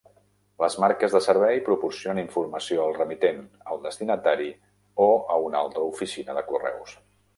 Les marques de servei proporcionen informació al remitent, al destinatari o a una altra oficina de correus.